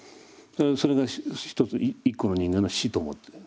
それが一個の人間の死と思って。